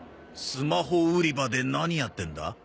スマホ売り場で何やってんだ？